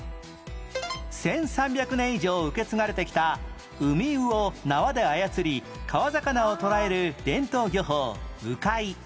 １３００年以上受け継がれてきたウミウを縄で操り川魚を捕らえる伝統漁法鵜飼